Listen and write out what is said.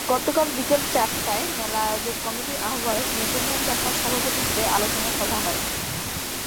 গতকাল বিকেল চারটায় মেলা আয়োজক কমিটির আহ্বায়ক নেপোলিয়ন চাকমার সভাপতিত্বে আলোচনা সভা হয়।